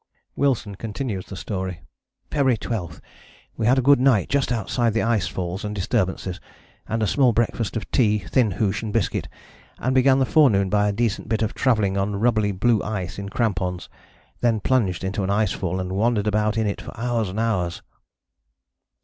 " Wilson continues the story: "February 12. We had a good night just outside the ice falls and disturbances, and a small breakfast of tea, thin hoosh and biscuit, and began the forenoon by a decent bit of travelling on rubbly blue ice in crampons: then plunged into an ice fall and wandered about in it for hours and hours."